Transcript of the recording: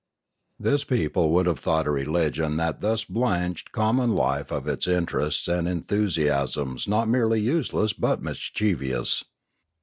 This people would have thought a religion that thus blanched common life of its interests and enthusiasms not merely useless but mischievous.